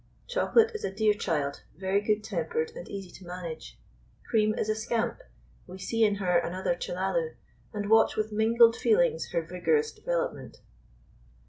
Chocolate is a dear child, very good tempered and easy to manage. Cream is a scamp. We see in her another Chellalu, and watch with mingled feelings her vigorous development.